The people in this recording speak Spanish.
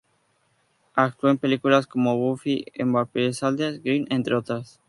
Actuó en películas como "Buffy the Vampire Slayer", "Grind", entre otras.